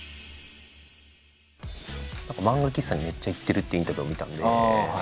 何か漫画喫茶にめっちゃ行ってるっていうインタビューを見たんで。